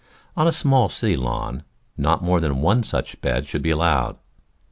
On a small city lawn not more than one such bed should be allowed.